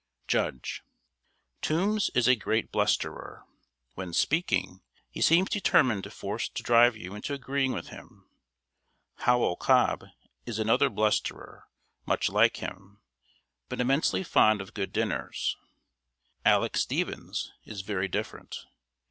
] JUDGE. Toombs is a great blusterer. When speaking, he seems determined to force, to drive you into agreeing with him. Howell Cobb is another blusterer, much like him, but immensely fond of good dinners. Aleck Stephens is very different.